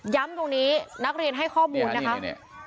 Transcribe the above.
ตรงนี้นักเรียนให้ข้อมูลนะคะ